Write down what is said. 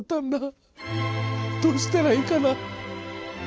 どうしたらいいかなあ。